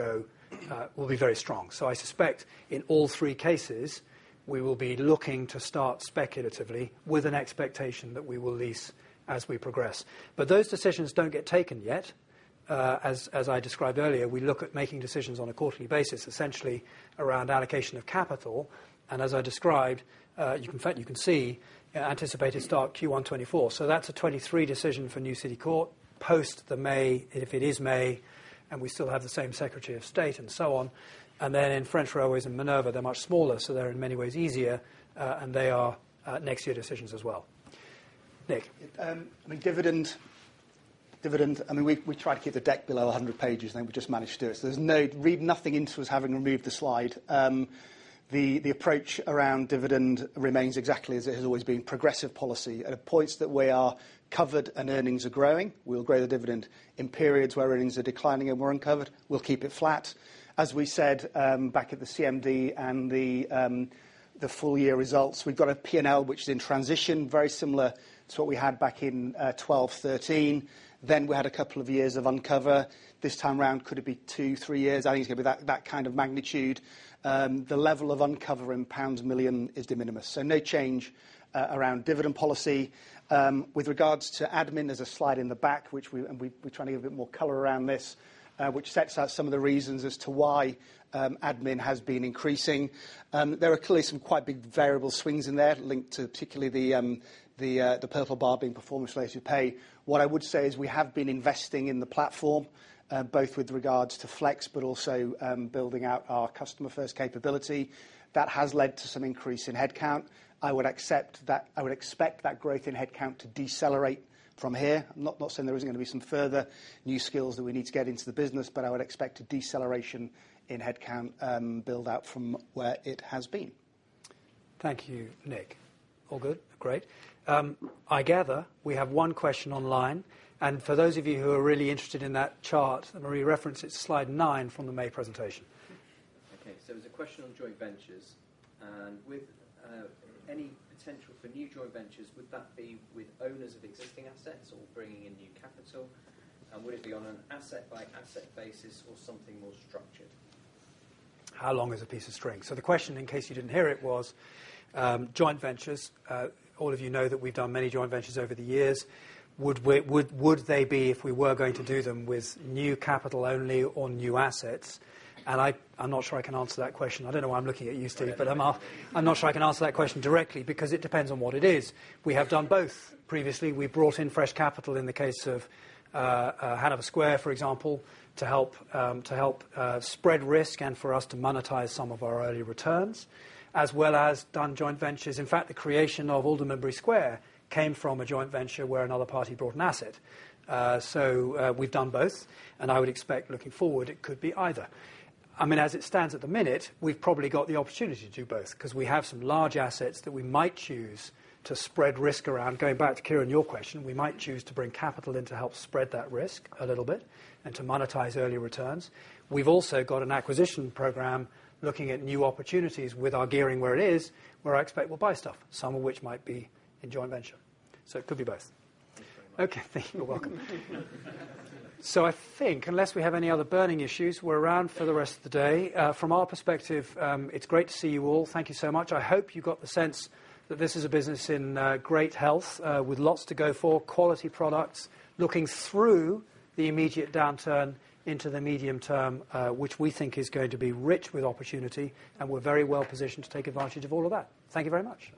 be very strong. I suspect in all three cases, we will be looking to start speculatively with an expectation that we will lease as we progress. Those decisions don't get taken yet. As I described earlier, we look at making decisions on a quarterly basis, essentially around allocation of capital. As I described, you can see anticipated start Q1 2024. That's a 2023 decision for New City Court post the May, if it is May, and we still have the same Secretary of State and so on. In French Railways and Minerva, they're much smaller, so they're in many ways easier, and they are next year decisions as well. Nick. I mean, dividend, I mean, we tried to keep the deck below 100 pages, and I think we just managed to do it. Read nothing into us having removed the slide. The approach around dividend remains exactly as it has always been, progressive policy. At points that we are covered and earnings are growing, we'll grow the dividend. In periods where earnings are declining and we're uncovered, we'll keep it flat. As we said back at the CMD and the full year results, we've got a P&L which is in transition, very similar to what we had back in 2012-2013. We had a couple of years of uncover. This time round, could it be two, three years? I think it's gonna be that kind of magnitude. The level of under pounds 1 million is de minimis, so no change around dividend policy. With regards to admin, there is a slide in the back which we're trying to give a bit more color around this, which sets out some of the reasons as to why admin has been increasing. There are clearly some quite big variable swings in there linked to particularly the purple bar being performance-related pay. What I would say is we have been investing in the platform, both with regards to Flex but also building out our customer-first capability. That has led to some increase in headcount. I would expect that growth in headcount to decelerate from here. Not saying there isn't gonna be some further new skills that we need to get into the business, but I would expect a deceleration in headcount build out from where it has been. Thank you, Nick. All good? Great. I gather we have one question online. For those of you who are really interested in that chart, Marie referenced it, slide nine from the May presentation. Okay, it's a question on joint ventures, and with any potential for new joint ventures, would that be with owners of existing assets or bringing in new capital? Would it be on an asset-by-asset basis or something more structured? How long is a piece of string? The question, in case you didn't hear it, was joint ventures. All of you know that we've done many joint ventures over the years. Would they be, if we were going to do them, with new capital only or new assets? I'm not sure I can answer that question. I don't know why I'm looking at you, Steve, but I'm not sure I can answer that question directly because it depends on what it is. We have done both. Previously, we brought in fresh capital in the case of Hanover Square, for example, to help spread risk and for us to monetize some of our early returns, as well as done joint ventures. In fact, the creation of Aldermanbury Square came from a joint venture where another party brought an asset. We've done both, and I would expect looking forward, it could be either. I mean, as it stands at the minute, we've probably got the opportunity to do both 'cause we have some large assets that we might choose to spread risk around. Going back to Kieran, your question, we might choose to bring capital in to help spread that risk a little bit and to monetize early returns. We've also got an acquisition program looking at new opportunities with our gearing where it is, where I expect we'll buy stuff, some of which might be a joint venture. It could be both. Thank you very much. Okay. Thank you. You're welcome. So I think unless we have any other burning issues, we're around for the rest of the day. Uh, from our perspective, um, it's great to see you all. Thank you so much. I hope you got the sense that this is a business in, uh, great health, uh, with lots to go for, quality products, looking through the immediate downturn into the medium term, uh, which we think is going to be rich with opportunity, and we're very well-positioned to take advantage of all of that. Thank you very much.